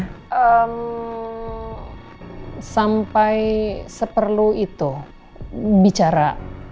sampai seperlu itu bicara